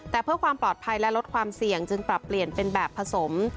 แต่เพื่อความปลอดภัยและลดความเสี่ยงจึงปรับเปลี่ยนเป็นแบบผสม